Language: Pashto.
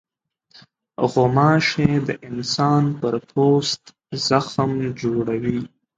غوماشې د انسان پر پوست زخم جوړوي.